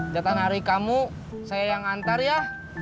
jatah nari kamu saya yang antar ya